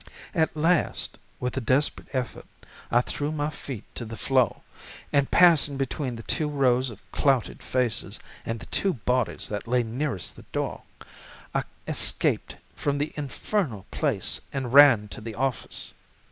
At last, with a desperate effort I threw my feet to the floor and passing between the two rows of clouted faces and the two bodies that lay nearest the door, I escaped from the infernal place and ran to the office.